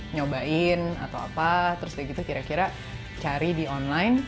nyobain atau apa terus udah gitu kira kira cari di online